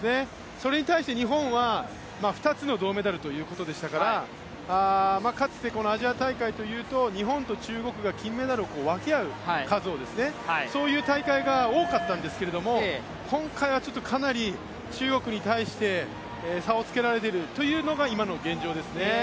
それに対して日本は２つの銅メダルということでしたから、かつてアジア大会というと日本と中国が金メダルの数を分け合うというそういう大会が多かったんですけれども今回はかなり中国に対して差をつけられているというのが現状ですね。